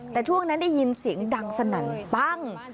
แต่ช่วงนั้นได้ยินเสียงดังสนั่นปั้ง